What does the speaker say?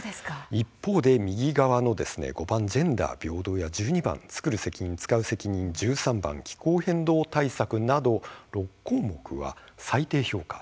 一方で、右側の５番、ジェンダー平等や１２番、つくる責任つかう責任１３番、気候変動対策など６項目は最低評価